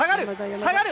下がる！